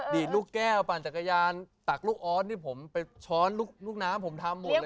ดีดลูกแก้วปั่นจักรยานตักลูกออสนี่ผมไปช้อนลูกน้ำผมทำหมดเลย